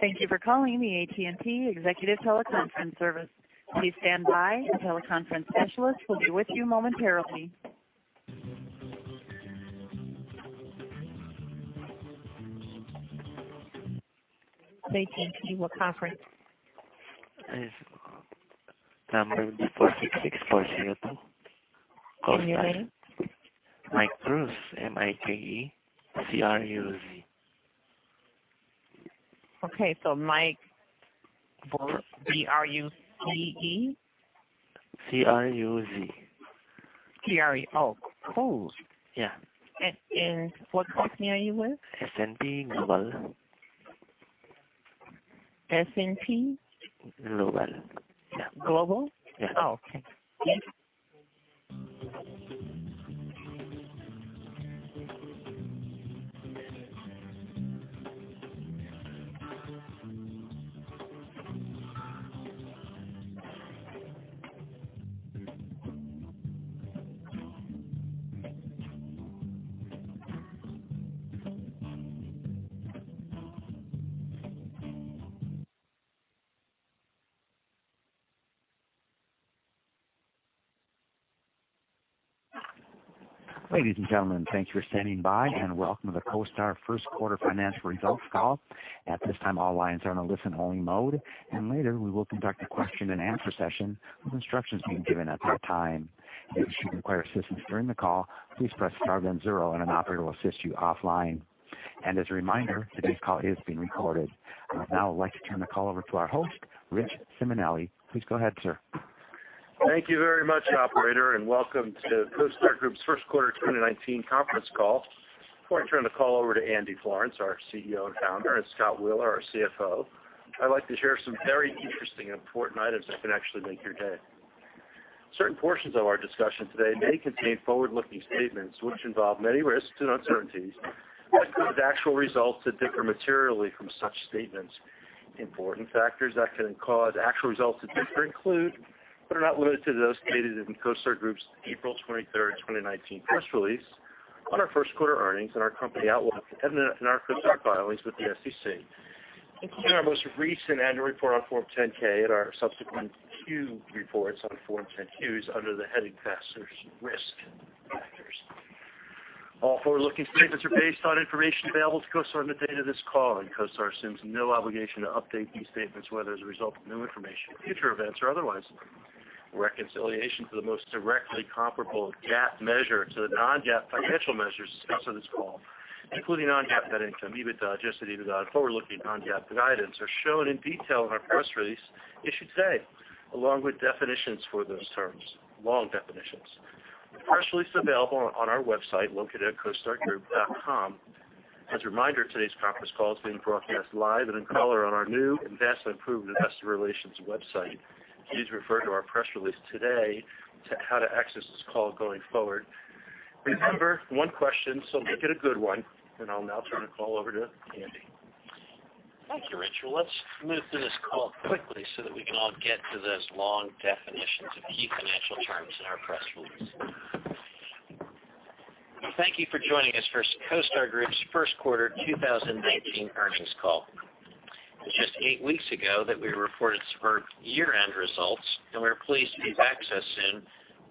Thank you for calling the AT&T executive teleconference service. Please stand by. A teleconference specialist will be with you momentarily. AT&T will conference. Is number 466402. Your name? Mike Cruz. M-I-K-E C-R-U-Z. Okay. Mike B-R-U-C-E? C-R-U-Z. C-R-U Oh, Cruz. Yeah. What company are you with? S&P Global. S&P? Global. Yeah. Global? Yeah. Oh, okay. Yes. Ladies and gentlemen, thank you for standing by. Welcome to the CoStar first quarter Financial Results Call. At this time, all lines are in a listen-only mode. Later we will conduct a question-and-answer session with instructions being given at that time. If you should require assistance during the call, please press star then zero, and an operator will assist you offline. As a reminder, today's call is being recorded. I would now like to turn the call over to our host, Richard Simonelli. Please go ahead, sir. Thank you very much, operator. Welcome to CoStar Group's first quarter 2019 conference call. Before I turn the call over to Andrew Florance, our CEO and founder, and Scott Wheeler, our CFO, I'd like to share some very interesting and important items that can actually make your day. Certain portions of our discussion today may contain forward-looking statements which involve many risks and uncertainties that could cause actual results to differ materially from such statements. Important factors that can cause actual results to differ include, but are not limited to, those stated in CoStar Group's April 23rd, 2019 press release on our first quarter earnings and our company outlook and in our CoStar filings with the SEC, including our most recent annual report on Form 10-K and our subsequent Q reports on Form 10-Qs under the heading Risk Factors. All forward-looking statements are based on information available to CoStar on the date of this call, CoStar assumes no obligation to update these statements, whether as a result of new information, future events, or otherwise. Reconciliation to the most directly comparable GAAP measure to the non-GAAP financial measures discussed on this call, including non-GAAP net income, EBITDA, adjusted EBITDA, and forward-looking non-GAAP guidance are shown in detail in our press release issued today, along with definitions for those terms. Long definitions. The press release is available on our website, located at costargroup.com. As a reminder, today's conference call is being broadcast live and in caller on our new and vastly improved investor relations website. Please refer to our press release today to how to access this call going forward. Remember, one question, so make it a good one. I'll now turn the call over to Andy. Thank you, Rich. Well, let's move through this call quickly so that we can all get to those long definitions of key financial terms in our press release. Thank you for joining us for CoStar Group's first quarter 2019 earnings call. It was just eight weeks ago that we reported superb year-end results, we're pleased to be back so soon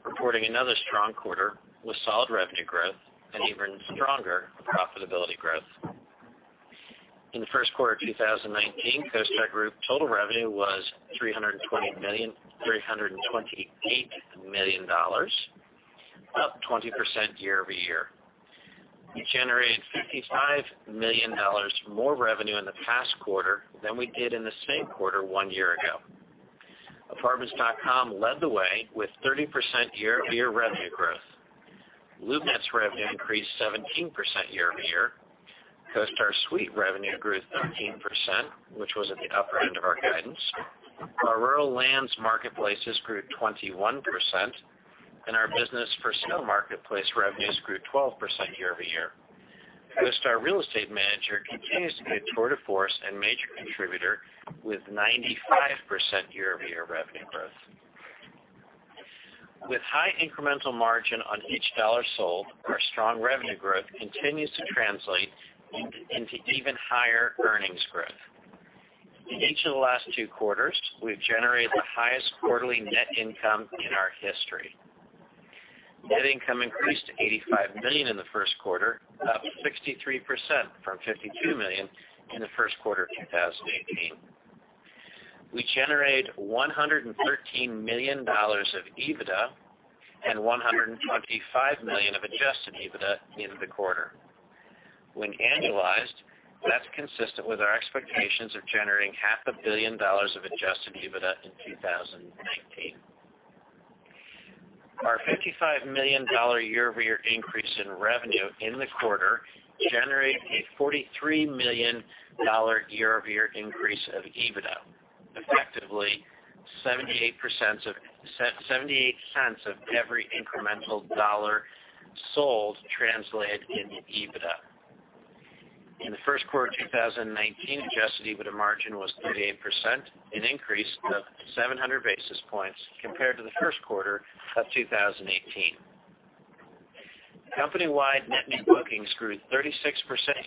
reporting another strong quarter with solid revenue growth and even stronger profitability growth. In the first quarter of 2019, CoStar Group total revenue was $328 million, up 20% year-over-year. We generated $55 million more revenue in the past quarter than we did in the same quarter one year ago. Apartments.com led the way with 30% year-over-year revenue growth. LoopNet's revenue increased 17% year-over-year. CoStar Suite revenue grew 13%, which was at the upper end of our guidance. Our rural lands marketplaces grew 21%, our business for sale marketplace revenues grew 12% year-over-year. CoStar Real Estate Manager continues to be a tour de force and major contributor with 95% year-over-year revenue growth. With high incremental margin on each dollar sold, our strong revenue growth continues to translate into even higher earnings growth. In each of the last two quarters, we've generated the highest quarterly net income in our history. Net income increased to $85 million in the first quarter, up 63% from $52 million in the first quarter of 2018. We generated $113 million of EBITDA and $125 million of adjusted EBITDA in the quarter. When annualized, that's consistent with our expectations of generating half a billion dollars of adjusted EBITDA in 2019. Our $55 million year-over-year increase in revenue in the quarter generated a $43 million year-over-year increase of EBITDA. Effectively, $0.78 of every incremental dollar sold translated into EBITDA. In the first quarter of 2019, adjusted EBITDA margin was 38%, an increase of 700 basis points compared to the first quarter of 2018. Company-wide net new bookings grew 36%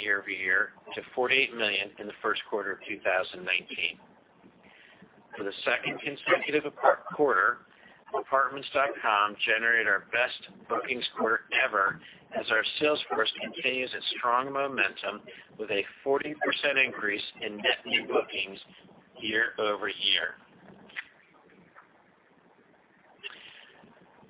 year-over-year to $48 million in the first quarter of 2019. For the second consecutive quarter, Apartments.com generated our best bookings quarter ever as our sales force continues its strong momentum with a 40% increase in net new bookings year-over-year.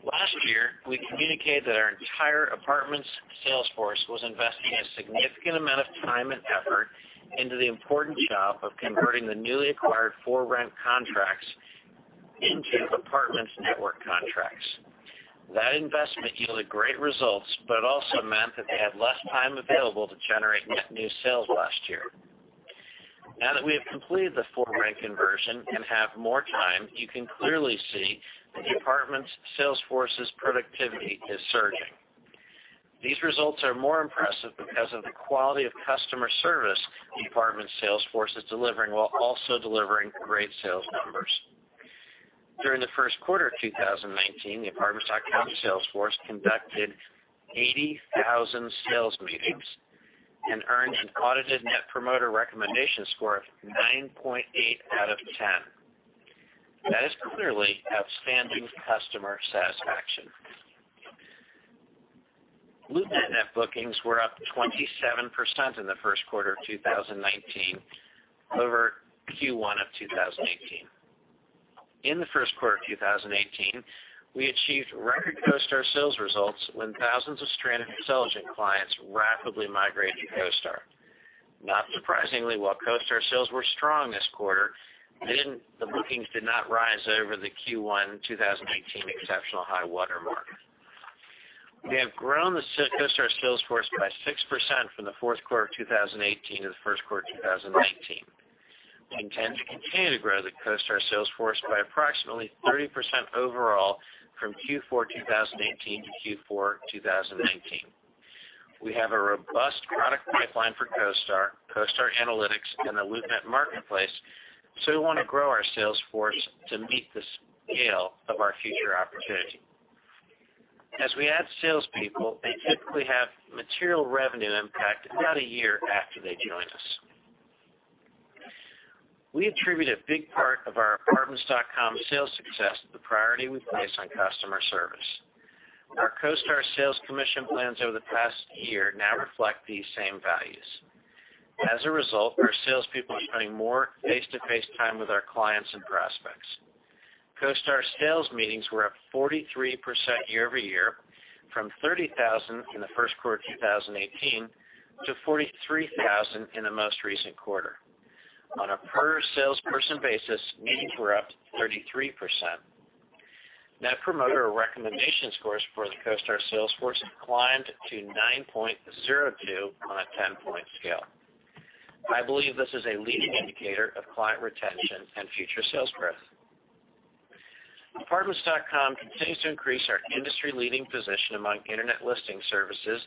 Last year, we communicated that our entire Apartments sales force was investing a significant amount of time and effort into the important job of converting the newly acquired ForRent contracts into Apartments network contracts. That investment yielded great results, also meant that they had less time available to generate net new sales last year. Now that we have completed the ForRent conversion and have more time, you can clearly see the Apartments sales force's productivity is surging. These results are more impressive because of the quality of customer service the Apartments sales force is delivering while also delivering great sales numbers. During the first quarter of 2019, the Apartments.com sales force conducted 80,000 sales meetings and earned an audited net promoter recommendation score of 9.8 out of 10. That is clearly outstanding customer satisfaction. LoopNet net bookings were up 27% in the first quarter of 2019 over Q1 of 2018. In the first quarter of 2018, we achieved record CoStar sales results when thousands of [Strata intelligent] clients rapidly migrated to CoStar. Not surprisingly, while CoStar sales were strong this quarter, the bookings did not rise over the Q1 2018 exceptional high-water mark. We have grown the CoStar sales force by 6% from the fourth quarter of 2018 to the first quarter of 2019. We intend to continue to grow the CoStar sales force by approximately 30% overall from Q4 2018 to Q4 2019. We have a robust product pipeline for CoStar Analytics, and the LoopNet marketplace, so we want to grow our sales force to meet the scale of our future opportunity. As we add salespeople, they typically have material revenue impact about a year after they join us. We attribute a big part of our Apartments.com sales success to the priority we place on customer service. Our CoStar sales commission plans over the past year now reflect these same values. As a result, our salespeople are spending more face-to-face time with our clients and prospects. CoStar sales meetings were up 43% year-over-year from 30,000 in the first quarter of 2018 to 43,000 in the most recent quarter. On a per salesperson basis, meetings were up 33%. Net promoter recommendations scores for the CoStar sales force climbed to 9.02 on a 10-point scale. I believe this is a leading indicator of client retention and future sales growth. Apartments.com continues to increase our industry-leading position among internet listing services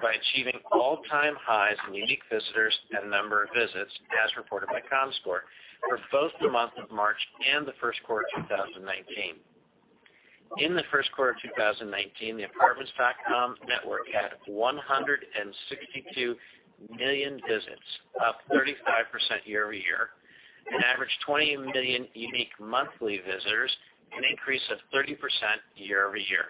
by achieving all-time highs in unique visitors and number of visits as reported by Comscore for both the month of March and the first quarter of 2019. In the first quarter of 2019, the Apartments.com network had 162 million visits, up 35% year-over-year, an average 20 million unique monthly visitors, an increase of 30% year-over-year.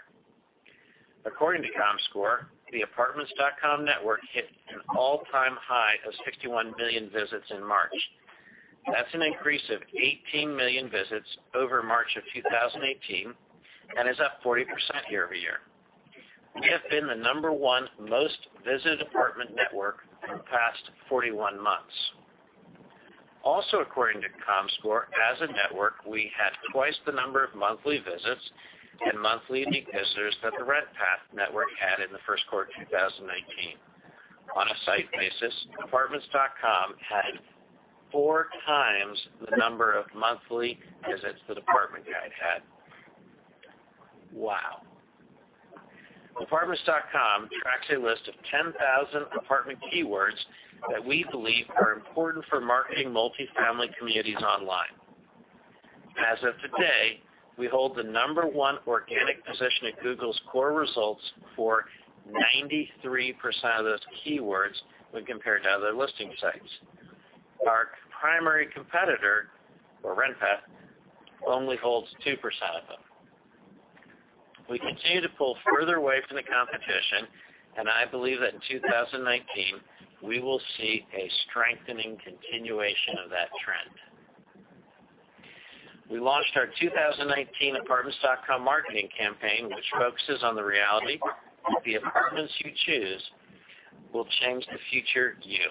According to Comscore, the Apartments.com network hit an all-time high of 61 million visits in March. That's an increase of 18 million visits over March of 2018 and is up 40% year-over-year. We have been the number 1 most visited apartment network for the past 41 months. Also, according to Comscore, as a network, we had twice the number of monthly visits and monthly unique visitors that the RentPath network had in the first quarter of 2019. On a site basis, Apartments.com had four times the number of monthly visits that Apartment Guide had. Wow. Apartments.com tracks a list of 10,000 apartment keywords that we believe are important for marketing multifamily communities online. As of today, we hold the number 1 organic position in Google's core results for 93% of those keywords when compared to other listing sites. Our primary competitor, or RentPath, only holds 2% of them. We continue to pull further away from the competition. I believe that in 2019, we will see a strengthening continuation of that trend. We launched our 2019 apartments.com marketing campaign, which focuses on the reality that the apartments you choose will change the future you.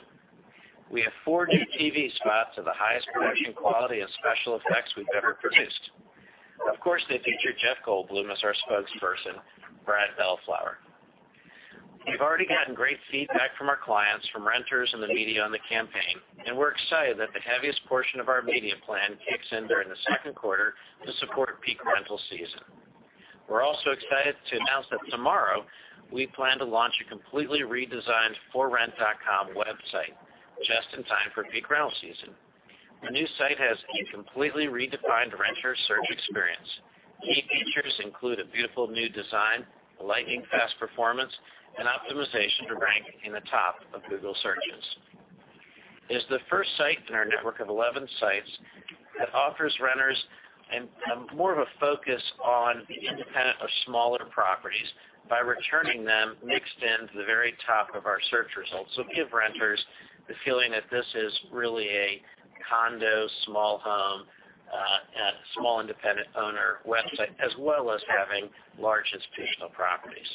We have four new TV spots of the highest production quality of special effects we've ever produced. Of course, they feature Jeff Goldblum as our spokesperson, Brad Bellflower. We've already gotten great feedback from our clients, from renters and the media on the campaign. We're excited that the heaviest portion of our media plan kicks in during the second quarter to support peak rental season. We're also excited to announce that tomorrow we plan to launch a completely redesigned ForRent.com website just in time for peak rental season. Our new site has a completely redefined renter search experience. Key features include a beautiful new design, a lightning-fast performance, and optimization to rank in the top of Google searches. It is the first site in our network of 11 sites that offers renters more of a focus on the independent or smaller properties by returning them mixed in to the very top of our search results. Give renters the feeling that this is really a condo, small home, small independent owner website, as well as having large institutional properties.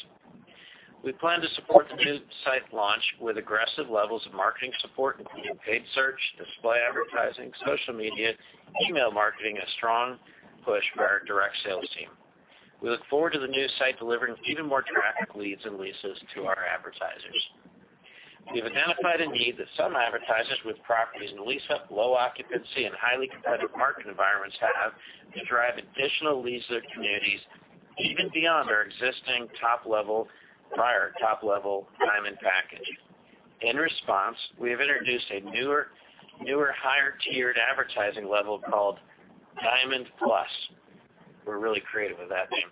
We plan to support the new site launch with aggressive levels of marketing support including paid search, display advertising, social media, email marketing, a strong push by our direct sales team. We look forward to the new site delivering even more traffic, leads, and leases to our advertisers. We have identified a need that some advertisers with properties in lease-up, low occupancy, and highly competitive market environments have to drive additional lease-up communities even beyond our existing prior top-level diamond package. In response, we have introduced a newer, higher-tiered advertising level called Diamond Plus, we're really creative with that name,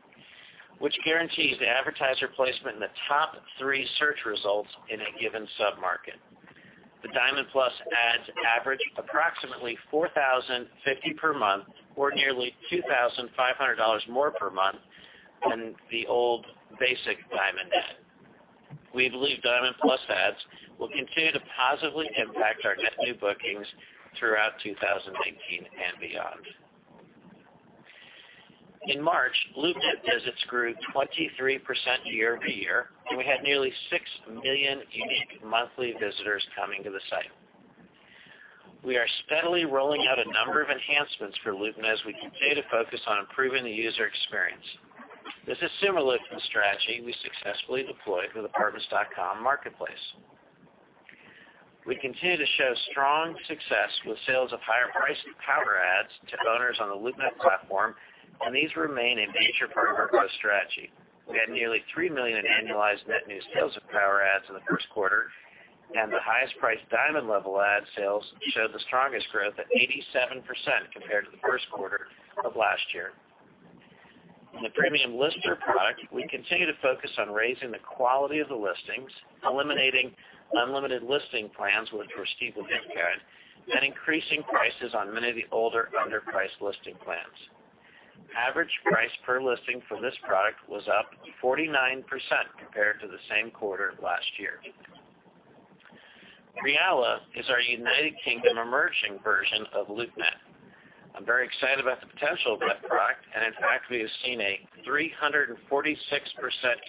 which guarantees the advertiser placement in the top three search results in a given sub-market. The Diamond Plus ads average approximately $4,050 per month, or nearly $2,500 more per month than the old basic diamond ad. We believe Diamond Plus ads will continue to positively impact our net new bookings throughout 2019 and beyond. In March, LoopNet visits grew 23% year-over-year, and we had nearly six million unique monthly visitors coming to the site. We are steadily rolling out a number of enhancements for LoopNet as we continue to focus on improving the user experience. This is similar to the strategy we successfully deployed with Apartments.com marketplace. We continue to show strong success with sales of higher-priced power ads to owners on the LoopNet platform, and these remain a major part of our growth strategy. We had nearly $3 million in annualized net new sales of power ads in the first quarter, and the highest priced diamond level ad sales showed the strongest growth at 87% compared to the first quarter of last year. In the Premium Lister product, we continue to focus on raising the quality of the listings, eliminating unlimited listing plans with a foreseeable impact, and increasing prices on many of the older, underpriced listing plans. Average price per listing for this product was up 49% compared to the same quarter last year. Realla is our United Kingdom emerging version of LoopNet. I'm very excited about the potential of that product, and in fact, we have seen a 346%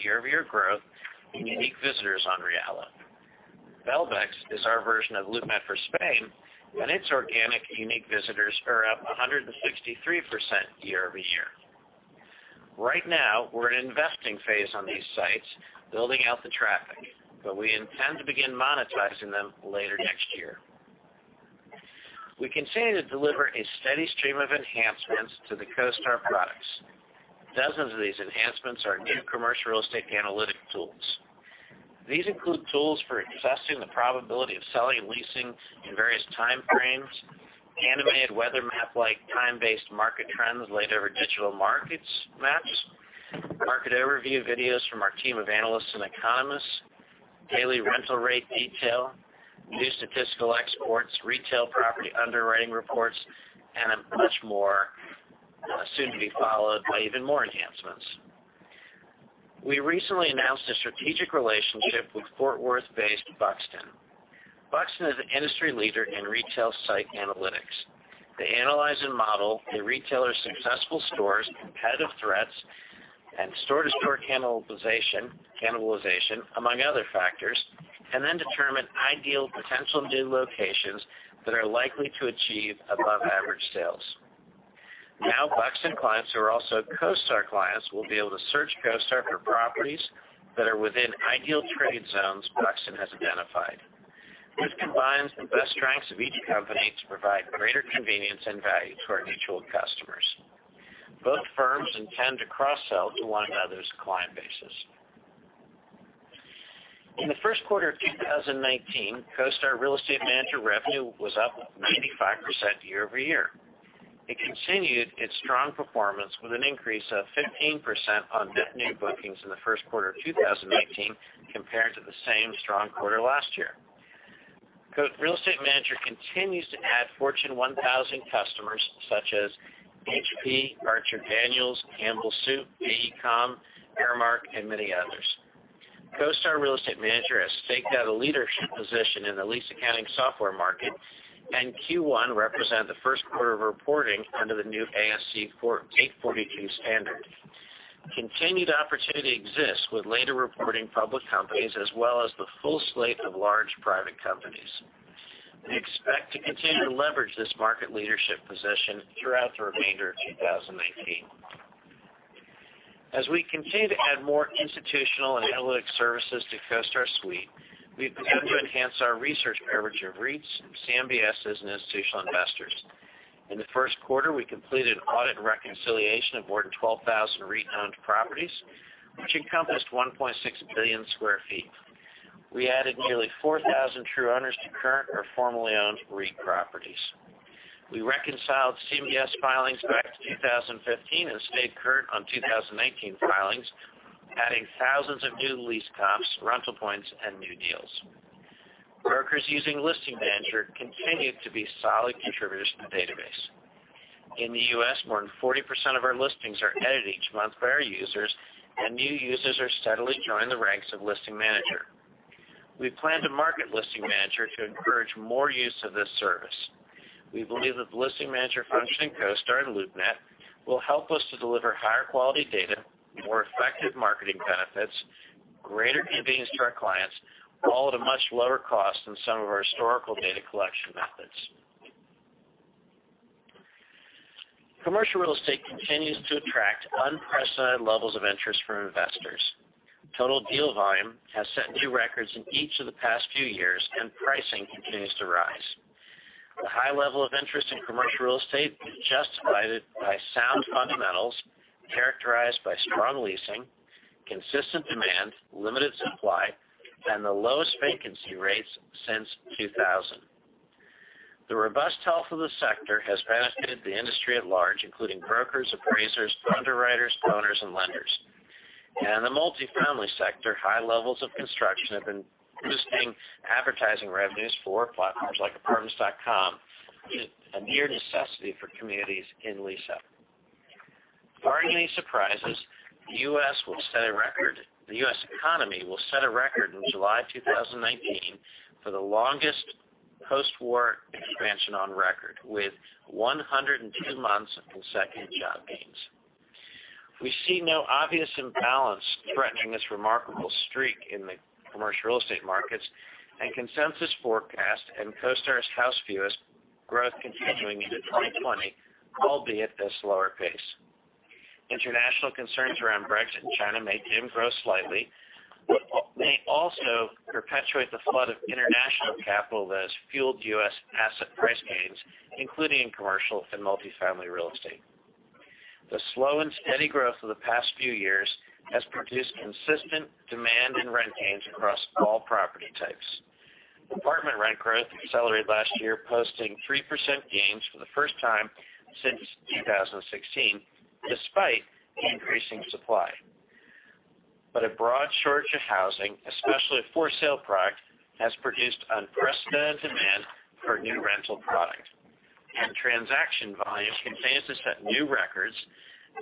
year-over-year growth in unique visitors on Realla. Belbex is our version of LoopNet for Spain, and its organic unique visitors are up 163% year-over-year. Right now, we're in an investing phase on these sites, building out the traffic, but we intend to begin monetizing them later next year. We continue to deliver a steady stream of enhancements to the CoStar products. Dozens of these enhancements are new commercial real estate analytic tools. These include tools for assessing the probability of selling and leasing in various time frames, animated weather map-like time-based market trends laid over digital markets maps, market overview videos from our team of analysts and economists, daily rental rate detail, new statistical exports, retail property underwriting reports, and much more, soon to be followed by even more enhancements. We recently announced a strategic relationship with Fort Worth-based Buxton. Buxton is an industry leader in retail site analytics. They analyze and model a retailer's successful stores, competitive threats, and store-to-store cannibalization, among other factors, and then determine ideal potential new locations that are likely to achieve above average sales. Now, Buxton clients who are also CoStar clients will be able to search CoStar for properties that are within ideal trade zones Buxton has identified. This combines the best strengths of each company to provide greater convenience and value to our mutual customers. Both firms intend to cross-sell to one another's client bases. In the first quarter of 2019, CoStar Real Estate Manager revenue was up 95% year-over-year. It continued its strong performance with an increase of 15% on net new bookings in the first quarter of 2019 compared to the same strong quarter last year. Real Estate Manager continues to add Fortune 1000 customers such as HP, Archer Daniels, Campbell Soup, AECOM, Aramark, and many others. CoStar Real Estate Manager has staked out a leadership position in the lease accounting software market, and Q1 represented the first quarter of reporting under the new ASC 842 standard. Continued opportunity exists with later-reporting public companies as well as the full slate of large private companies. We expect to continue to leverage this market leadership position throughout the remainder of 2019. As we continue to add more institutional and analytic services to CoStar Suite, we've begun to enhance our research coverage of REITs and CMBS and institutional investors. In the first quarter, we completed an audit and reconciliation of more than 12,000 REIT-owned properties, which encompassed 1.6 billion square feet. We added nearly 4,000 true owners to current or formerly owned REIT properties. We reconciled CMBS filings back to 2015 and stayed current on 2019 filings, adding thousands of new lease comps, rental points, and new deals. Brokers using Listing Manager continue to be solid contributors to the database. In the U.S., more than 40% of our listings are edited each month by our users, and new users are steadily joining the ranks of Listing Manager. We plan to market Listing Manager to encourage more use of this service. We believe that the Listing Manager function in CoStar and LoopNet will help us to deliver higher quality data, more effective marketing benefits, greater convenience to our clients, all at a much lower cost than some of our historical data collection methods. Commercial real estate continues to attract unprecedented levels of interest from investors. Total deal volume has set new records in each of the past few years, and pricing continues to rise. The high level of interest in commercial real estate is justified by sound fundamentals characterized by strong leasing, consistent demand, limited supply, and the lowest vacancy rates since 2000. The robust health of the sector has benefited the industry at large, including brokers, appraisers, underwriters, owners, and lenders. In the multifamily sector, high levels of construction have been boosting advertising revenues for platforms like Apartments.com, a near necessity for communities in lease-up. Barring any surprises, the U.S. economy will set a record in July 2019 for the longest post-war expansion on record, with 102 months of consecutive job gains. We see no obvious imbalance threatening this remarkable streak in the commercial real estate markets, consensus forecasts and CoStar House View is growth continuing into 2020, albeit at a slower pace. International concerns around Brexit and China may dim growth slightly, may also perpetuate the flood of international capital that has fueled U.S. asset price gains, including in commercial and multifamily real estate. The slow and steady growth of the past few years has produced consistent demand and rent gains across all property types. Apartment rent growth accelerated last year, posting 3% gains for the first time since 2016, despite increasing supply. A broad shortage of housing, especially for-sale product, has produced unprecedented demand for new rental product. Transaction volume continues to set new records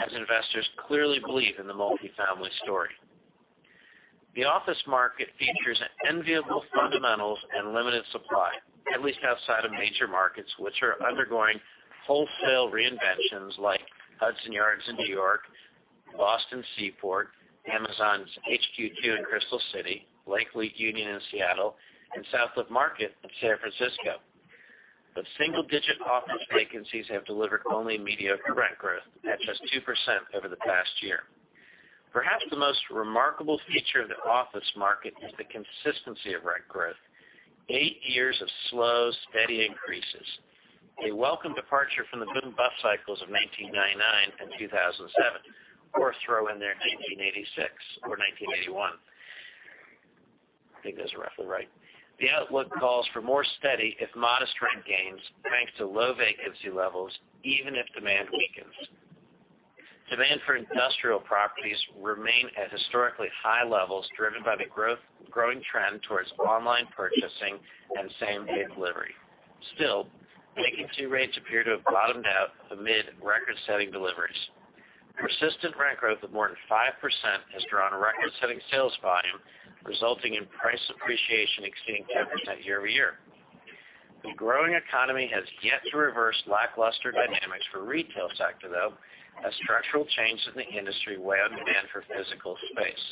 as investors clearly believe in the multifamily story. The office market features enviable fundamentals and limited supply, at least outside of major markets, which are undergoing wholesale reinventions like Hudson Yards in New York, Boston Seaport, Amazon's HQ2 in Crystal City, Lake Union in Seattle, and South of Market in San Francisco. Single-digit office vacancies have delivered only mediocre rent growth at just 2% over the past year. Perhaps the most remarkable feature of the office market is the consistency of rent growth. Eight years of slow, steady increases, a welcome departure from the boom-and-bust cycles of 1999 and 2007, or throw in there 1986 or 1981. I think that's roughly right. The outlook calls for more steady, if modest rent gains, thanks to low vacancy levels, even if demand weakens. Demand for industrial properties remain at historically high levels, driven by the growing trend towards online purchasing and same-day delivery. Still, vacancy rates appear to have bottomed out amid record-setting deliveries. Persistent rent growth of more than 5% has drawn record-setting sales volume, resulting in price appreciation exceeding 10% year-over-year. The growing economy has yet to reverse lackluster dynamics for retail sector, though, as structural changes in the industry weigh on demand for physical space.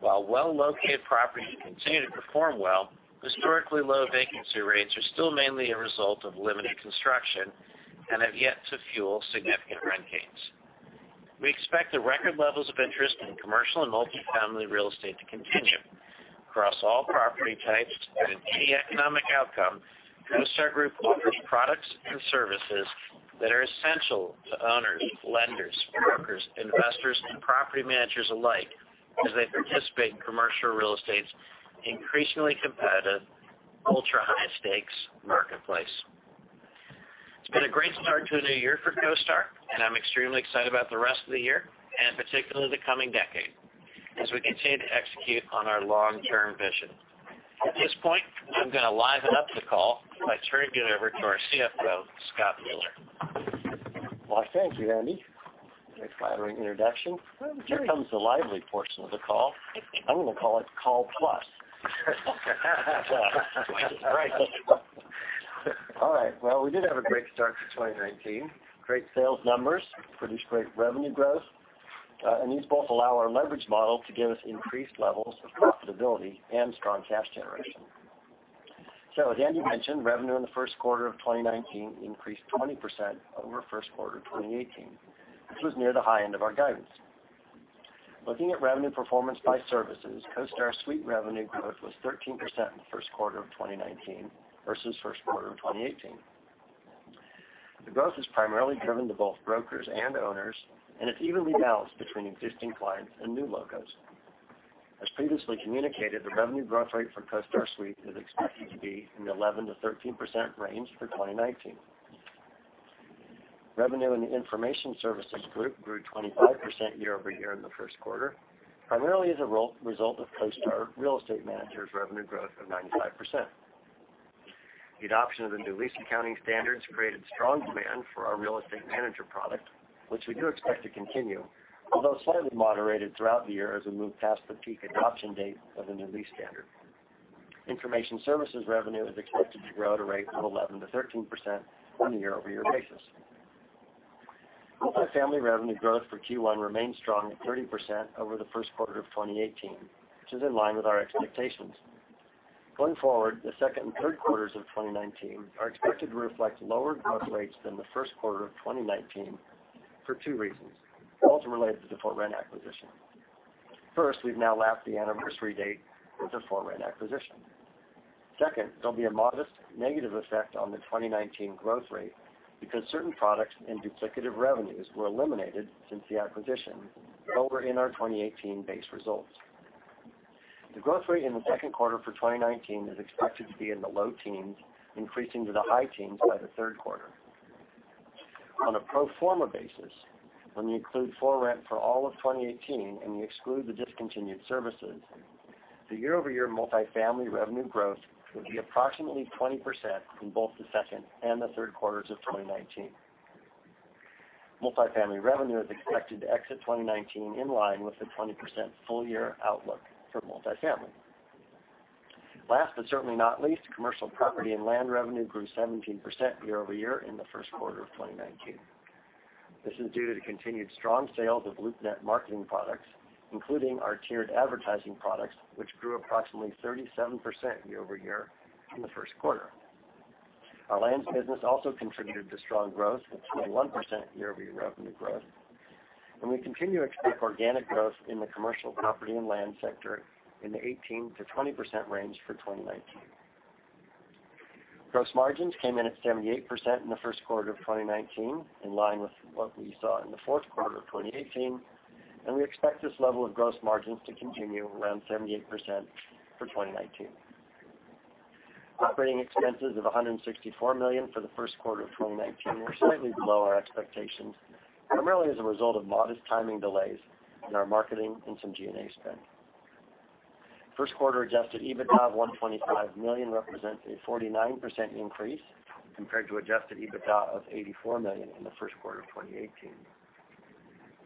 While well-located properties continue to perform well, historically low vacancy rates are still mainly a result of limited construction and have yet to fuel significant rent gains. We expect the record levels of interest in commercial and multifamily real estate to continue. Across all property types and in any economic outcome, CoStar Group offers products and services that are essential to owners, lenders, brokers, investors, and property managers alike as they participate in commercial real estate's increasingly competitive, ultra-high stakes marketplace. It's been a great start to a new year for CoStar, I'm extremely excited about the rest of the year, and particularly the coming decade, as we continue to execute on our long-term vision. At this point, I'm going to liven up the call by turning it over to our CFO, Scott Wheeler. Thank you, Andy. A very flattering introduction. Here comes the lively portion of the call. I'm going to call it call plus. Twice as bright. We did have a great start to 2019. Great sales numbers produced great revenue growth, and these both allow our leverage model to give us increased levels of profitability and strong cash generation. As Andy mentioned, revenue in the first quarter of 2019 increased 20% over first quarter 2018, which was near the high end of our guidance. Looking at revenue performance by services, CoStar Suite revenue growth was 13% in the first quarter of 2019 versus first quarter of 2018. The growth is primarily driven to both brokers and owners, and it's evenly balanced between existing clients and new logos. As previously communicated, the revenue growth rate for CoStar Suite is expected to be in the 11%-13% range for 2019. Revenue in the Information Services group grew 25% year-over-year in the first quarter, primarily as a result of CoStar Real Estate Manager's revenue growth of 95%. The adoption of the new leasing accounting standards created strong demand for our Real Estate Manager product, which we do expect to continue, although slightly moderated throughout the year as we move past the peak adoption date of the new lease standard. Information services revenue is expected to grow at a rate of 11%-13% on a year-over-year basis. Multifamily revenue growth for Q1 remains strong at 30% over the first quarter of 2018, which is in line with our expectations. Going forward, the second and third quarters of 2019 are expected to reflect lower growth rates than the first quarter of 2019 for two reasons, both related to the ForRent.com acquisition. First, we've now lapped the anniversary date of the ForRent.com acquisition. Second, there'll be a modest negative effect on the 2019 growth rate because certain products and duplicative revenues were eliminated since the acquisition, but were in our 2018 base results. The growth rate in the second quarter for 2019 is expected to be in the low teens, increasing to the high teens by the third quarter. On a pro forma basis, when we include ForRent.com for all of 2018 and we exclude the discontinued services, the year-over-year multifamily revenue growth will be approximately 20% in both the second and the third quarters of 2019. Multifamily revenue is expected to exit 2019 in line with the 20% full-year outlook for multifamily. Last but certainly not least, commercial property and land revenue grew 17% year-over-year in the first quarter of 2019. This is due to continued strong sales of LoopNet marketing products, including our tiered advertising products, which grew approximately 37% year-over-year in the first quarter. Our lands business also contributed to strong growth with 21% year-over-year revenue growth, and we continue to expect organic growth in the commercial property and land sector in the 18%-20% range for 2019. Gross margins came in at 78% in the first quarter of 2019, in line with what we saw in the fourth quarter of 2018, and we expect this level of gross margins to continue around 78% for 2019. Operating expenses of $164 million for the first quarter of 2019 were slightly below our expectations, primarily as a result of modest timing delays in our marketing and some G&A spend. First quarter adjusted EBITDA of $125 million represents a 49% increase compared to adjusted EBITDA of $84 million in the first quarter of 2018.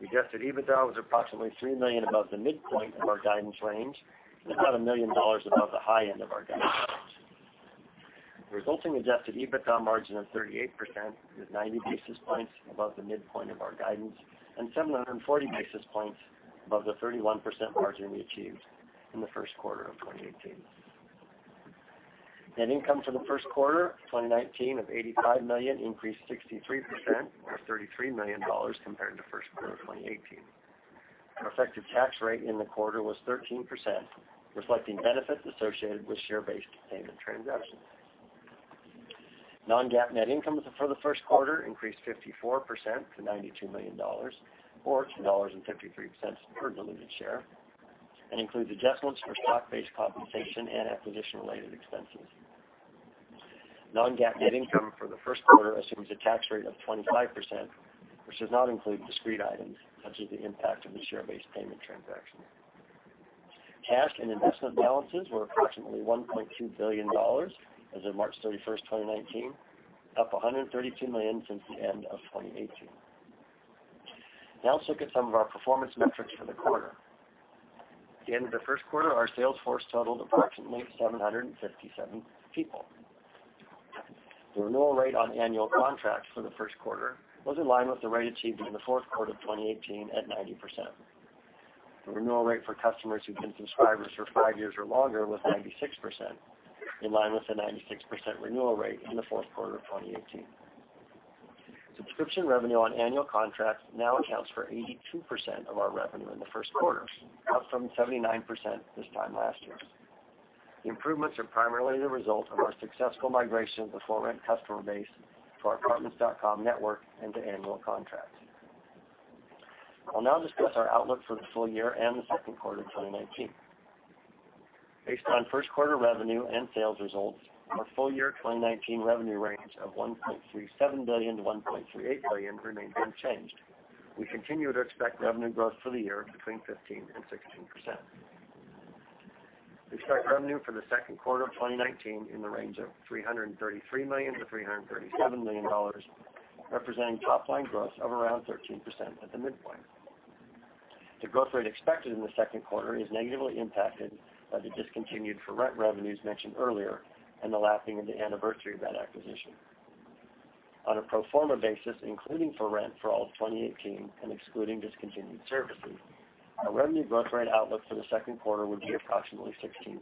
The adjusted EBITDA was approximately $3 million above the midpoint of our guidance range and about $1 million above the high end of our guidance range. The resulting adjusted EBITDA margin of 38% is 90 basis points above the midpoint of our guidance and 740 basis points above the 31% margin we achieved in the first quarter of 2018. Net income for the first quarter of 2019 of $85 million increased 63%, or $33 million compared to first quarter of 2018. Our effective tax rate in the quarter was 13%, reflecting benefits associated with share-based payment transactions. Non-GAAP net income for the first quarter increased 54% to $92 million, or $2.53 per diluted share, and includes adjustments for stock-based compensation and acquisition-related expenses. Non-GAAP net income for the first quarter assumes a tax rate of 25%, which does not include discrete items such as the impact of the share-based payment transaction. Cash and investment balances were approximately $1.2 billion as of March 31st, 2019, up $132 million since the end of 2018. Let's look at some of our performance metrics for the quarter. At the end of the first quarter, our sales force totaled approximately 757 people. The renewal rate on annual contracts for the first quarter was in line with the rate achieved in the fourth quarter of 2018 at 90%. The renewal rate for customers who've been subscribers for five years or longer was 96%, in line with the 96% renewal rate in the fourth quarter of 2018. Subscription revenue on annual contracts now accounts for 82% of our revenue in the first quarter, up from 79% this time last year. The improvements are primarily the result of our successful migration of the ForRent.com customer base to our Apartments.com network and to annual contracts. I'll now discuss our outlook for the full year and the second quarter of 2019. Based on first quarter revenue and sales results, our full-year 2019 revenue range of $1.37 billion-$1.38 billion remains unchanged. We continue to expect revenue growth for the year between 15% and 16%. We expect revenue for the second quarter of 2019 in the range of $333 million-$337 million, representing top line growth of around 13% at the midpoint. The growth rate expected in the second quarter is negatively impacted by the discontinued ForRent.com revenues mentioned earlier and the lapping of the anniversary data acquisition. On a pro forma basis, including ForRent.com for all of 2018 and excluding discontinued services, our revenue growth rate outlook for the second quarter would be approximately 16%.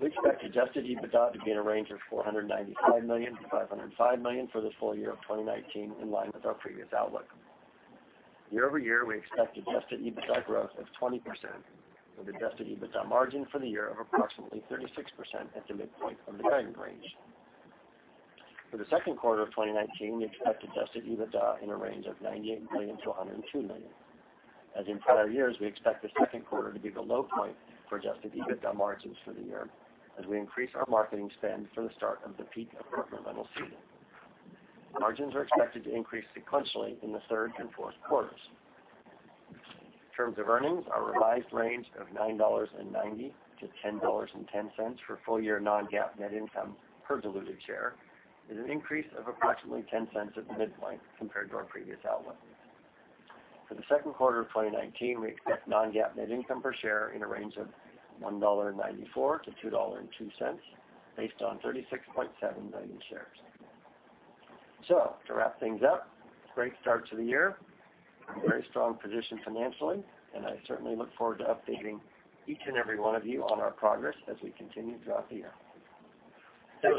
We expect adjusted EBITDA to be in a range of $495 million-$505 million for the full year of 2019, in line with our previous outlook. Year-over-year, we expect adjusted EBITDA growth of 20%, with adjusted EBITDA margin for the year of approximately 36% at the midpoint of the guidance range. For the second quarter of 2019, we expect adjusted EBITDA in a range of $98 million-$102 million. As in prior years, we expect the second quarter to be the low point for adjusted EBITDA margins for the year, as we increase our marketing spend for the start of the peak apartment rental season. Margins are expected to increase sequentially in the third and fourth quarters. In terms of earnings, our revised range of $9.90-$10.10 for full year non-GAAP net income per diluted share is an increase of approximately $0.10 at the midpoint compared to our previous outlook. For the second quarter of 2019, we expect non-GAAP net income per share in a range of $1.94-$2.02, based on 36.7 million shares. To wrap things up, great start to the year, very strong position financially, and I certainly look forward to updating each and every one of you on our progress as we continue throughout the year. That's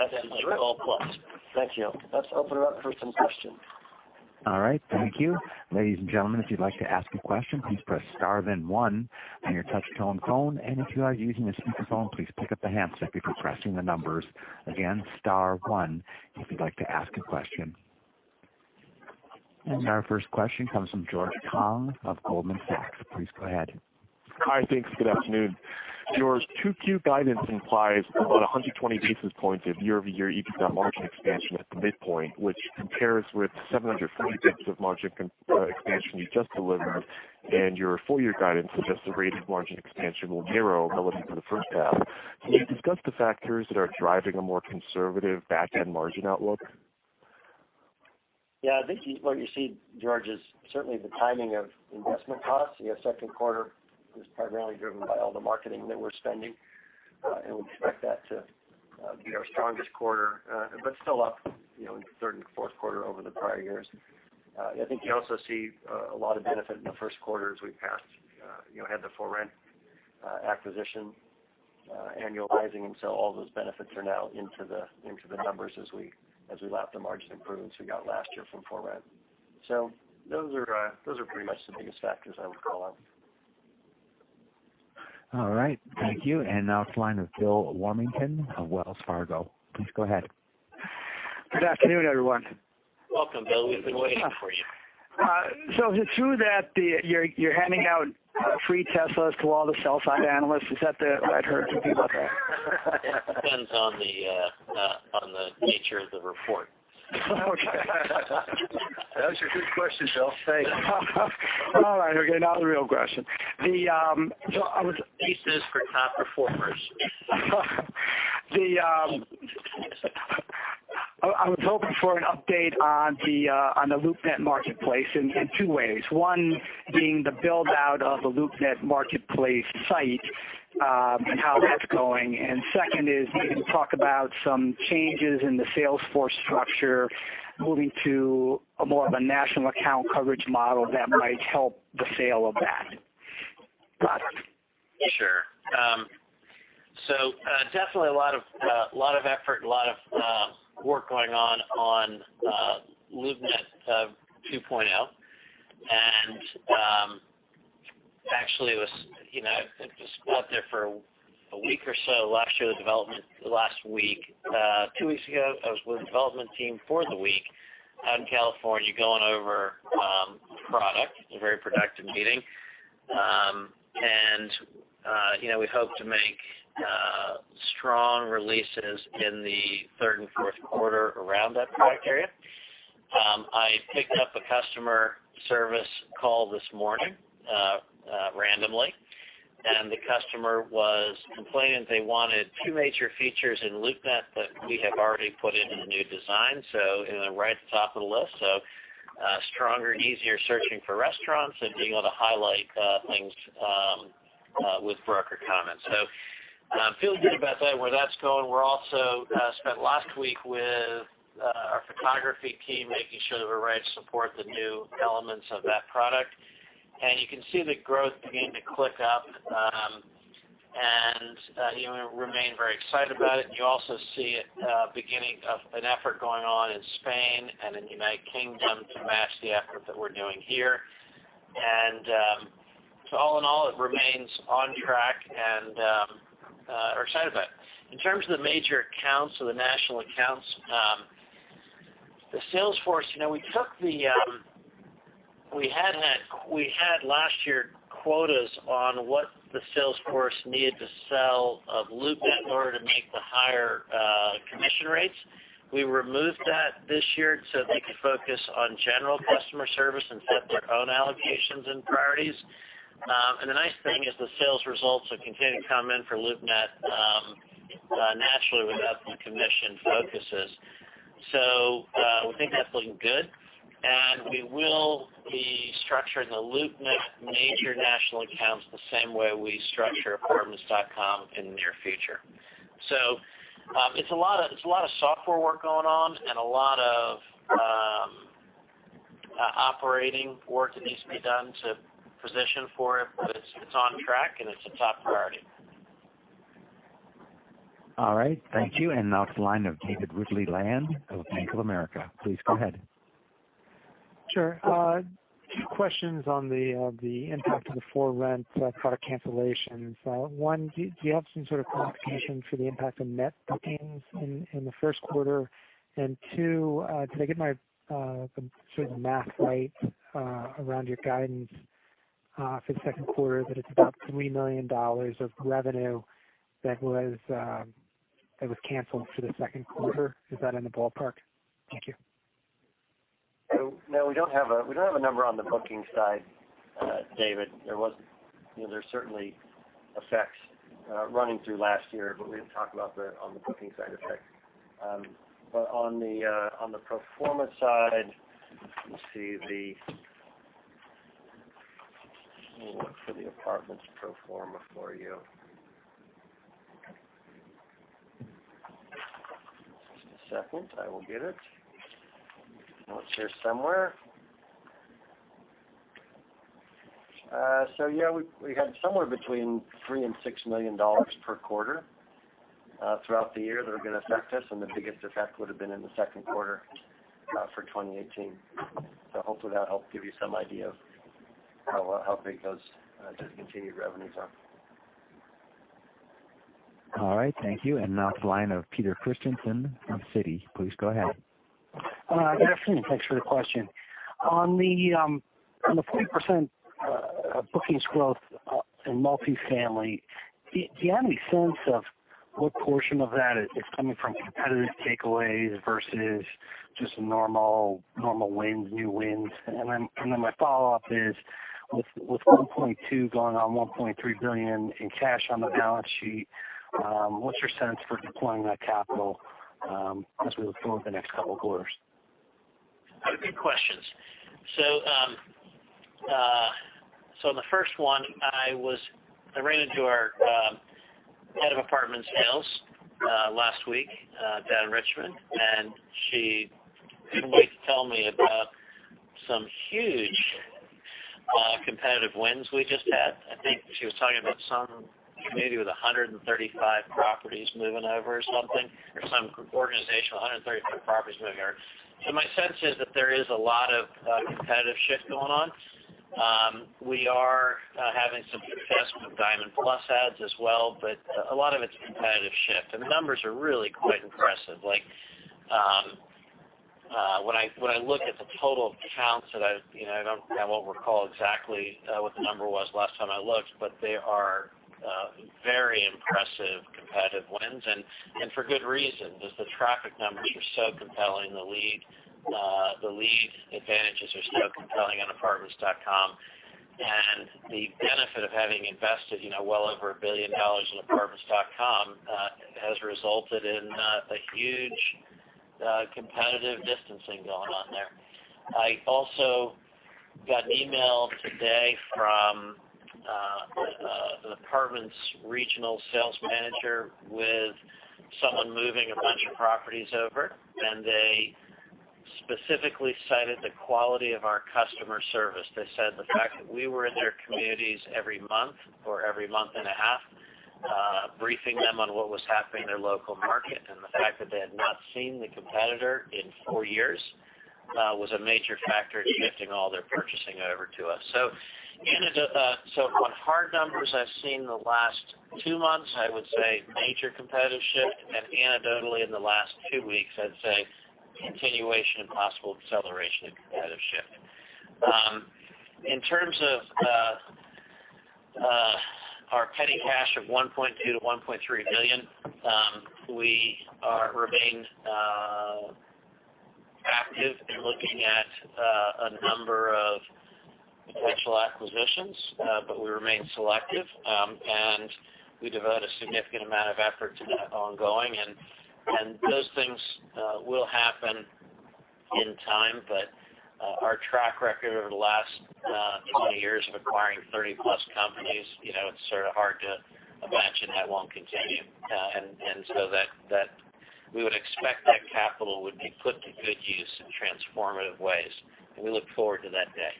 all plus. Thank you. Let's open it up for some questions. All right. Thank you. Ladies and gentlemen, if you'd like to ask a question, please press star then one on your touch-tone phone. If you are using a speakerphone, please pick up the handset before pressing the numbers. Again, star one if you'd like to ask a question. Our first question comes from George Hong of Goldman Sachs. Please go ahead. Hi. Thanks. Good afternoon. George, 2Q guidance implies about 120 basis points of year-over-year EBITDA margin expansion at the midpoint, which compares with 740 basis points of margin expansion you just delivered. Your full year guidance suggests the rate of margin expansion will narrow relative to the first half. Can you discuss the factors that are driving a more conservative back-end margin outlook? Yeah. I think what you see, George, is certainly the timing of investment costs. Second quarter is primarily driven by all the marketing that we're spending, and we expect that to be our strongest quarter, but still up in the third and fourth quarter over the prior years. I think you also see a lot of benefit in the first quarter as we had the ForRent.com acquisition annualizing, and so all those benefits are now into the numbers as we lap the margin improvements we got last year from ForRent.com. Those are pretty much the biggest factors I would call out. All right. Thank you. Now the line of Bill Warmington of Wells Fargo. Please go ahead. Good afternoon, everyone. Welcome, Bill. We've been waiting for you. Is it true that you're handing out free Tesla to all the sell-side analysts? Is that right? I heard a few about that. It depends on the nature of the report. Okay. That was a good question, Bill. Thanks. All right. Okay. Now the real question. This is for top performers. I was hoping for an update on the LoopNet marketplace in two ways. One being the build-out of the LoopNet marketplace site, and how that's going. Second is, can you talk about some changes in the sales force structure moving to a more of a national account coverage model that might help the sale of that product? Sure. Definitely a lot of effort, a lot of work going on LoopNet 2.0. Actually, I was out there for a week or so last year. Two weeks ago, I was with the development team for the week out in California going over product, a very productive meeting. We hope to make strong releases in the third and fourth quarter around that product area. I picked up a customer service call this morning randomly, and the customer was complaining that they wanted two major features in LoopNet that we have already put into the new design, right at the top of the list. Stronger, easier searching for restaurants and being able to highlight things with broker comments. Feeling good about where that's going. We also spent last week with our photography team, making sure that we're ready to support the new elements of that product. You can see the growth beginning to click up, and we remain very excited about it. You also see a beginning of an effort going on in Spain and in the U.K. to match the effort that we're doing here. All in all, it remains on track, and we're excited about it. In terms of the major accounts or the national accounts, the sales force, we had last year quotas on what the sales force needed to sell of LoopNet in order to make the higher commission rates. We removed that this year so they could focus on general customer service and set their own allocations and priorities. The nice thing is the sales results are continuing to come in for LoopNet naturally without the commission focuses. We think that's looking good, and we will be structuring the LoopNet major national accounts the same way we structure apartments.com in the near future. It's a lot of software work going on and a lot of operating work that needs to be done to position for it. It's on track, and it's a top priority. All right. Thank you. Now to the line of David Ridley-Lane of Bank of America. Please go ahead. Sure. Two questions on the impact of the ForRent.com product cancellation. One, do you have some sort of quantification for the impact on net bookings in the first quarter? Two, did I get my sort of math right around your guidance for the second quarter, that it's about $3 million of revenue that was canceled for the second quarter? Is that in the ballpark? Thank you. No, we don't have a number on the booking side, David. There's certainly effects running through last year, we didn't talk about on the booking side effect. On the pro forma side, let me see. Let me look for the apartments pro forma for you. Just a second. I will get it. I know it's here somewhere. We had somewhere between $3 million and $6 million per quarter throughout the year that are going to affect us, and the biggest effect would've been in the second quarter for 2018. Hopefully that helps give you some idea of how big those discontinued revenues are. All right. Thank you. Now to the line of Peter Christiansen from Citi. Please go ahead. Good afternoon. Thanks for the question. On the 40% bookings growth in multifamily, do you have any sense of what portion of that is coming from competitive takeaways versus just normal wins, new wins? My follow-up is, with $1.2 going on $1.3 billion in cash on the balance sheet, what's your sense for deploying that capital, as we look forward the next couple of quarters? Good questions. On the first one, I ran into our head of apartments sales last week down in Richmond, and she couldn't wait to tell me about some huge competitive wins we just had. I think she was talking about maybe with 135 properties moving over or something, or some organization, 135 properties moving over. My sense is that there is a lot of competitive shift going on. We are having some success with Diamond Plus ads as well, but a lot of it's competitive shift, and the numbers are really quite impressive. When I look at the total counts that I won't recall exactly what the number was last time I looked, but they are very impressive competitive wins, and for good reason, just the traffic numbers are so compelling. The lead advantages are so compelling on apartments.com. The benefit of having invested well over $1 billion in apartments.com has resulted in a huge competitive distancing going on there. I also got an email today from an apartments regional sales manager with someone moving a bunch of properties over, and they specifically cited the quality of our customer service. They said the fact that we were in their communities every month or every month and a half briefing them on what was happening in their local market, and the fact that they had not seen the competitor in four years was a major factor in shifting all their purchasing over to us. On hard numbers I've seen the last two months, I would say major competitive shift, and anecdotally in the last two weeks, I'd say continuation and possible acceleration of competitive shift. In terms of our petty cash of $1.2 billion to $1.3 billion, we remain active in looking at a number of potential acquisitions, but we remain selective. We devote a significant amount of effort to that ongoing, and those things will happen in time. Our track record over the last 20 years of acquiring 30-plus companies, it's sort of hard to imagine that won't continue. We would expect that capital would be put to good use in transformative ways, and we look forward to that day.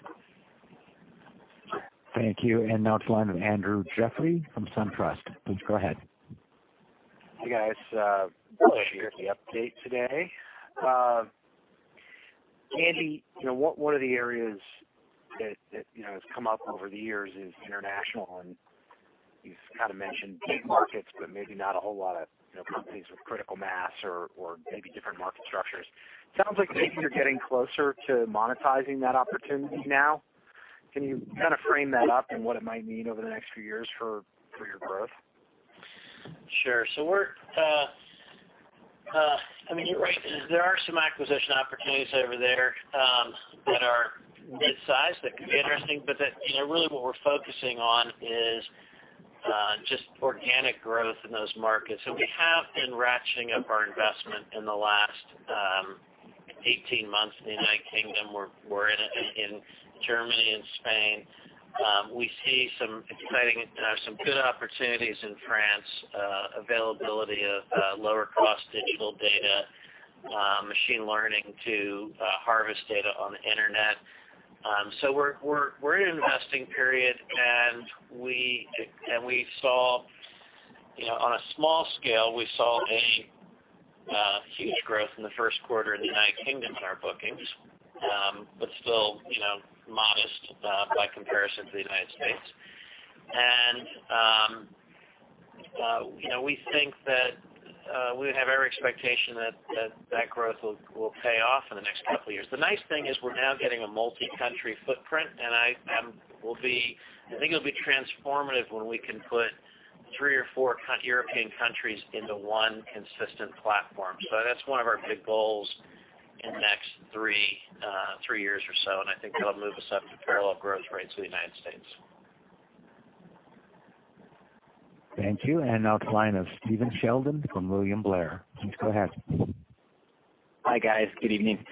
Thank you. Now to the line of Andrew Jeffery from SunTrust. Please go ahead. Hey, guys. Appreciate the update today. Andy, one of the areas that has come up over the years is international, and you've kind of mentioned big markets, but maybe not a whole lot of companies with critical mass or maybe different market structures. Sounds like maybe you're getting closer to monetizing that opportunity now. Can you kind of frame that up and what it might mean over the next few years for your growth? Sure. You're right. There are some acquisition opportunities over there that are mid-size that could be interesting. Really what we're focusing on is just organic growth in those markets. We have been ratcheting up our investment in the last 18 months in the United Kingdom. We're in Germany and Spain. We see some exciting, some good opportunities in France, availability of lower-cost digital data machine learning to harvest data on the internet. We're in an investing period, and on a small scale, we saw a huge growth in the first quarter in the United Kingdom in our bookings. Still, modest by comparison to the United States. We have every expectation that growth will pay off in the next couple of years. The nice thing is we're now getting a multi-country footprint, and I think it'll be transformative when we can put three or four European countries into one consistent platform. That's one of our big goals in the next three years or so, and I think that'll move us up to parallel growth rates of the United States. Thank you. Now the line of Stephen Sheldon from William Blair. Please go ahead. Hi, guys. Good evening.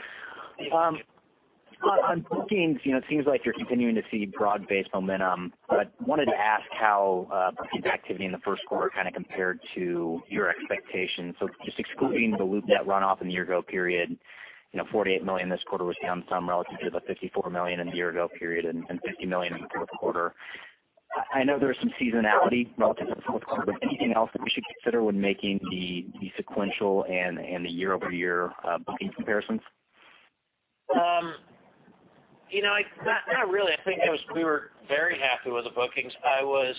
On bookings, it seems like you're continuing to see broad-based momentum, but I wanted to ask how bookings activity in the first quarter compared to your expectations. Just excluding the LoopNet runoff in the year-ago period, $48 million this quarter was down some relative to the $54 million in the year-ago period and $50 million in the fourth quarter. I know there was some seasonality relative to the fourth quarter. Anything else that we should consider when making the sequential and the year-over-year booking comparisons? Not really. I think we were very happy with the bookings. I was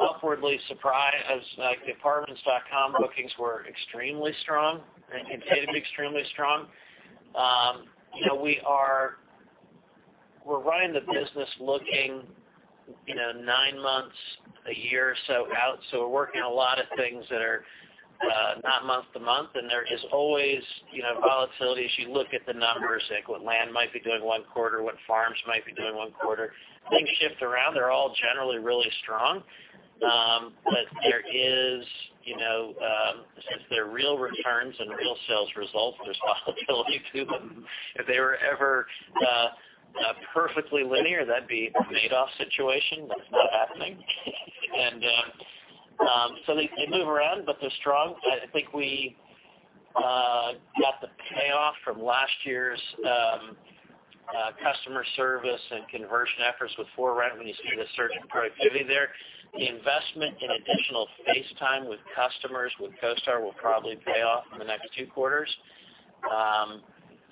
awkwardly surprised as Apartments.com bookings were extremely strong. They've been extremely strong. We're running the business looking nine months a year or so out. We're working a lot of things that are not month-to-month, and there is always volatility as you look at the numbers, like what land might be doing one quarter, what farms might be doing one quarter. Things shift around. They're all generally really strong. Since they're real returns and real sales results, there's volatility to them. If they were ever perfectly linear, that'd be a Madoff situation. That's not happening. They move around, but they're strong. I think we got the payoff from last year's customer service and conversion efforts with ForRent when you see the surge in productivity there. The investment in additional face time with customers with CoStar will probably pay off in the next two quarters. All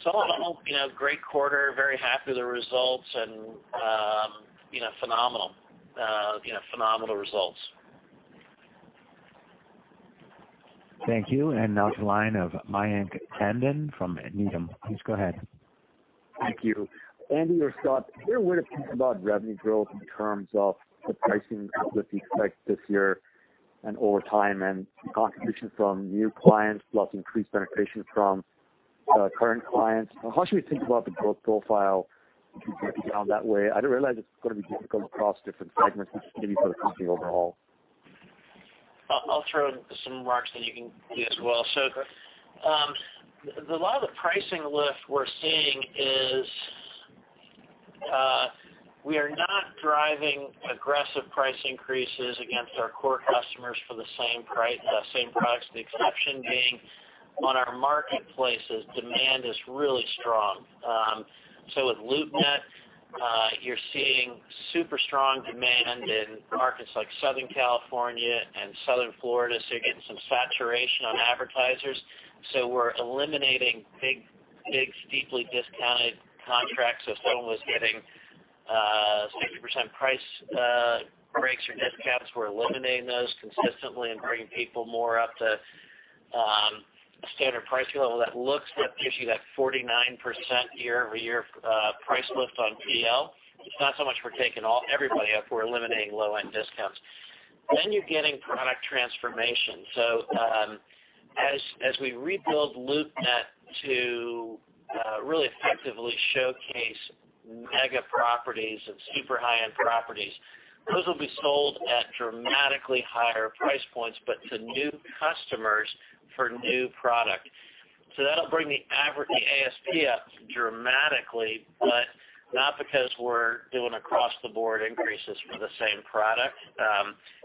in all, great quarter, very happy with the results and phenomenal results. Thank you. Now to the line of Mayank Tandon from Needham. Please go ahead. Thank you. Andy or Scott, I'm curious about revenue growth in terms of the pricing lift you expect this year and over time and the contribution from new clients plus increased penetration from current clients. How should we think about the growth profile if we break it down that way? I realize it's going to be difficult across different segments, but just maybe for the company overall. I'll throw out some remarks, you can do as well. Okay. A lot of the pricing lift we're seeing is we are not driving aggressive price increases against our core customers for the same products, the exception being on our marketplaces, demand is really strong. With LoopNet, you're seeing super strong demand in markets like Southern California and Southern Florida, you're getting some saturation on advertisers. We're eliminating big, steeply discounted contracts. If someone was getting 50% price breaks or discounts, we're eliminating those consistently and bringing people more up to standard pricing level. That gives you that 49% year-over-year price lift on PL. It's not so much we're taking everybody up, we're eliminating low-end discounts. You're getting product transformation. As we rebuild LoopNet to really effectively showcase mega properties and super high-end properties, those will be sold at dramatically higher price points, but to new customers for new product. That'll bring the ASP up dramatically, but not because we're doing across-the-board increases for the same product.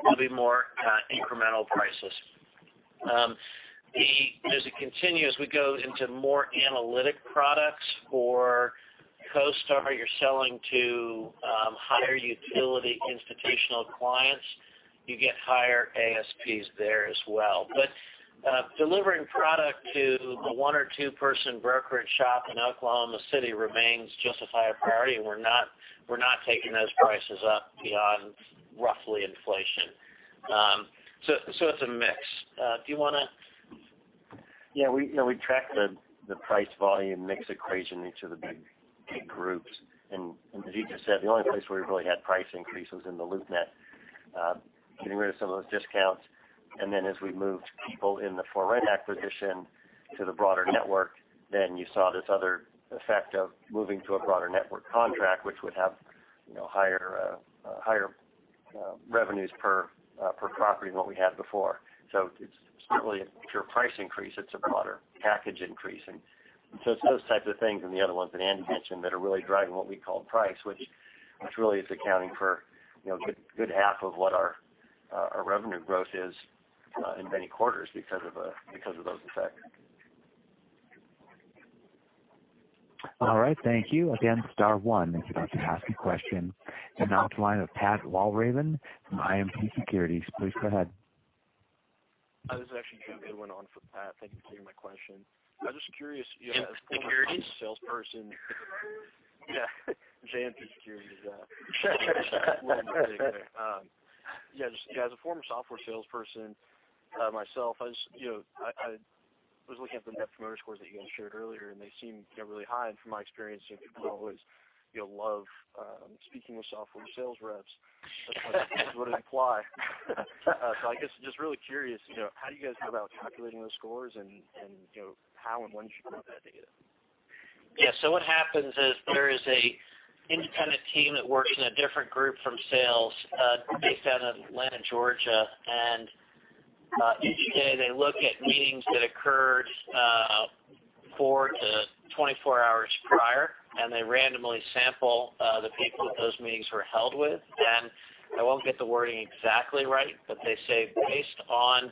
It'll be more incremental prices. As it continues, we go into more analytic products for CoStar. You're selling to higher utility institutional clients. You get higher ASPs there as well. Delivering product to a one or two-person brokerage shop in Oklahoma City remains just as high a priority, and we're not taking those prices up beyond roughly inflation. It's a mix. Do you want to Yeah, we track the price volume mix equation in each of the big groups. As you just said, the only place where we really had price increase was in the LoopNet, getting rid of some of those discounts. As we moved people in the ForRent.com acquisition to the broader network, you saw this other effect of moving to a broader network contract, which would have higher revenues per property than what we had before. It's certainly not a pure price increase, it's a broader package increase. It's those types of things and the other ones that Andy mentioned that are really driving what we call price, which really is accounting for a good half of what our revenue growth is in many quarters because of those effects. All right, thank you. Again, star one if you'd like to ask a question. Now to the line of Pat Walravens from JMP Securities. Please go ahead. This is actually Jim, the one on for Pat. Thank you for taking my question. I was just curious- JMP Securities? Salesperson. Yeah. JMP Securities. Yeah, as a former software salesperson myself, I was looking at the net promoter scores that you guys shared earlier, and they seem really high. From my experience, people don't always love speaking with software sales reps. That's why I wanted to apply. I guess just really curious, how do you guys go about calculating those scores and how and when should you look at that data? What happens is there is an independent team that works in a different group from sales based out of Atlanta, Georgia. Each day, they look at meetings that occurred 4 to 24 hours prior, and they randomly sample the people that those meetings were held with. I won't get the wording exactly right, but they say, based on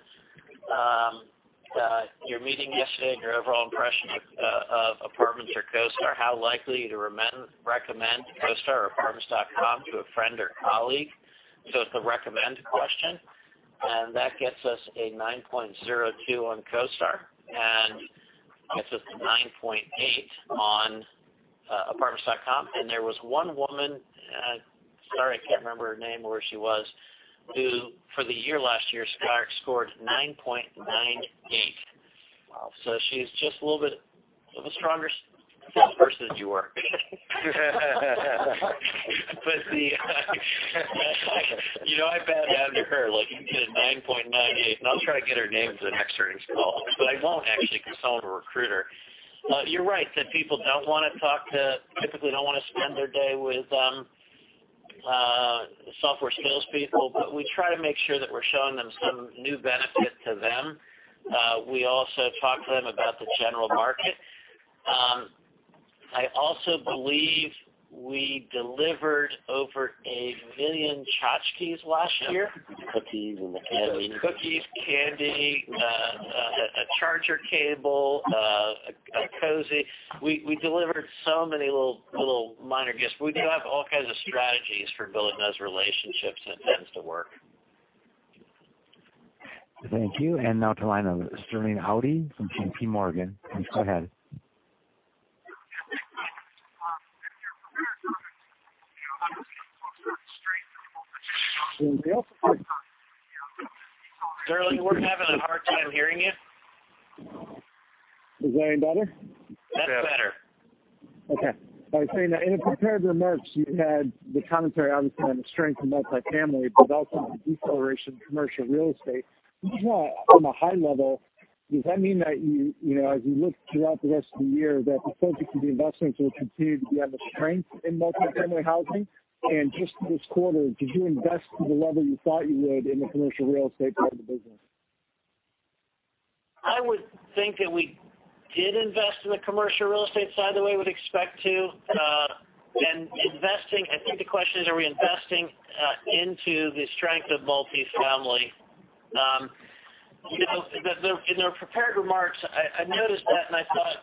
your meeting yesterday and your overall impression of Apartments or CoStar, how likely are you to recommend CoStar or Apartments.com to a friend or colleague? It's a recommend question, and that gets us a 9.02 on CoStar and gets us a 9.8 on Apartments.com. There was one woman, sorry, I can't remember her name or where she was, who for the year last year scored 9.98. Wow. She's just a little bit of a stronger salesperson than you were. I bow down to her like you get a 9.98, and I'll try to get her name as an extra install, but I won't actually because I'll have a recruiter. You're right that people don't want to typically don't want to spend their day with software salespeople, but we try to make sure that we're showing them some new benefit to them. We also talk to them about the general market. I also believe we delivered over 1 million tchotchkes last year. Cookies and candy. Cookies, candy, a charger cable, a cozy. We delivered so many little minor gifts. We do have all kinds of strategies for building those relationships, and it tends to work. Thank you. Now to the line of Sterling Auty from JPMorgan. Please go ahead. Sterling, we're having a hard time hearing you. Is that any better? That's better. Okay. I was saying that in the prepared remarks, you had the commentary obviously on the strength of multifamily, but also on the deceleration of commercial real estate. Just on a high level, does that mean that as you look throughout the rest of the year, that the focus of the investments will continue to be on the strength in multifamily housing? Just this quarter, did you invest to the level you thought you would in the commercial real estate part of the business? I would think that we did invest in the commercial real estate side the way we would expect to. Investing, I think the question is, are we investing into the strength of multifamily? In the prepared remarks, I noticed that and I thought,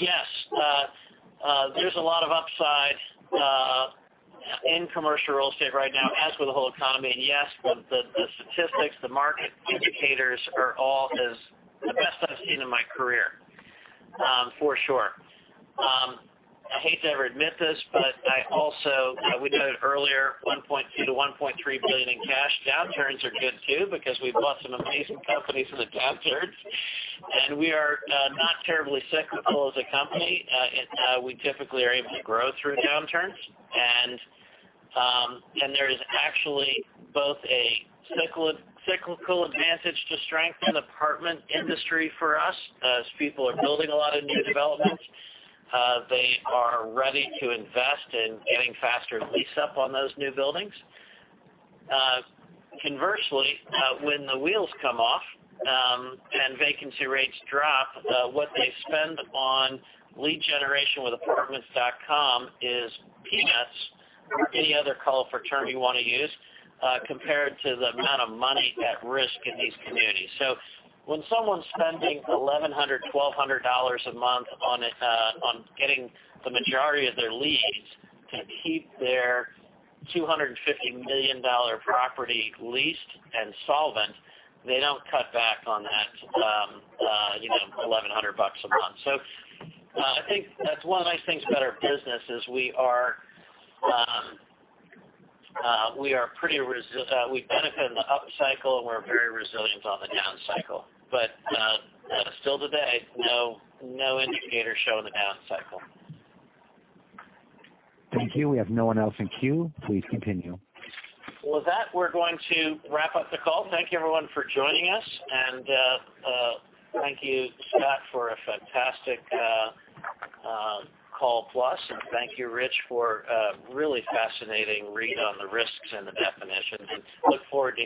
yes, there's a lot of upside in commercial real estate right now as with the whole economy. Yes, the statistics, the market indicators are all as the best I've seen in my career, for sure. I hate to ever admit this, but I also, we noted earlier $1.2 billion-$1.3 billion in cash. Downturns are good too, because we've bought some amazing companies in the downturns, and we are not terribly cyclical as a company. We typically are able to grow through downturns. There is actually both a cyclical advantage to strength in the apartment industry for us. As people are building a lot of new developments, they are ready to invest in getting faster lease up on those new buildings. Conversely, when the wheels come off, and vacancy rates drop, what they spend on lead generation with Apartments.com is peanuts or any other colorful term you want to use, compared to the amount of money at risk in these communities. When someone's spending $1,100-$1,200 a month on getting the majority of their leads to keep their $250 million property leased and solvent, they don't cut back on that $1,100 a month. I think that's one of the nice things about our business is we benefit in the up cycle, and we're very resilient on the down cycle. Still today, no indicators show the down cycle. Thank you. We have no one else in queue. Please continue. With that, we're going to wrap up the call. Thank you, everyone, for joining us. Thank you, Scott, for a fantastic call plus. Thank you, Rich, for a really fascinating read on the risks and the definition. Look forward to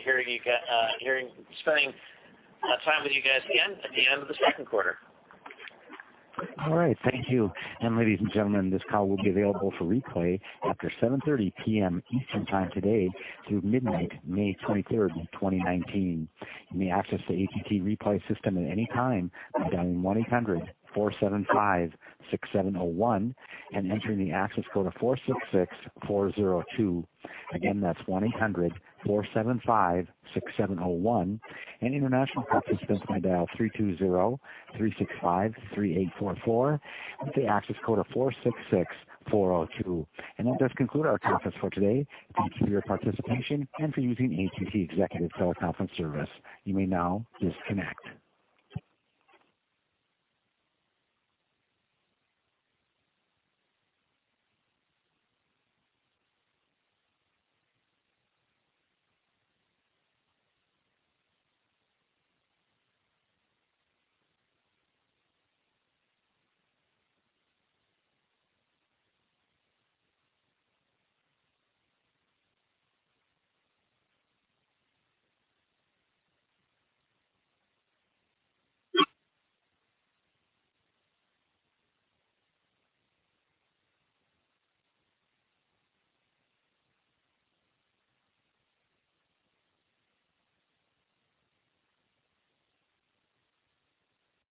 spending time with you guys again at the end of the second quarter. All right. Thank you. Ladies and gentlemen, this call will be available for replay after 7:30 P.M. Eastern time today through midnight, May 23rd, 2019. You may access the AT&T replay system at any time by dialing 1-800-475-6701 and entering the access code of 466402. Again, that's 1-800-475-6701, and international participants may dial 320-365-3844 with the access code of 466402. That does conclude our conference for today. Thank you for your participation and for using AT&T Executive Teleconference Service. You may now disconnect.